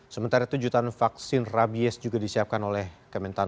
sementara itu jutaan vaksin rabies juga disiapkan oleh kementan